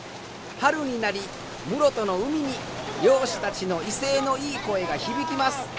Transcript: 春になり室戸の海に漁師たちの威勢のいい声が響きます。